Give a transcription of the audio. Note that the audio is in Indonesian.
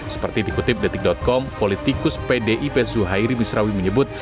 seperti dikutip detik com politikus pdip zuhairi misrawi menyebut